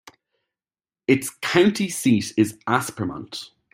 Its county seat is Aspermont.